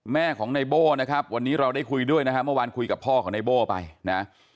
แม่ของในโบ้นะครับวันนี้เราได้คุยด้วยนะฮะเมื่อวานคุยกับพ่อของในโบ้ไปนะ